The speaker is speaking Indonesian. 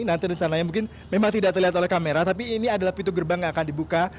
nanti rencananya mungkin memang tidak terlihat oleh kamera tapi ini adalah pintu gerbang yang akan dibuka